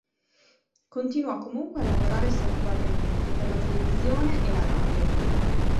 Continuò comunque a lavorare saltuariamente per la televisione e la radio.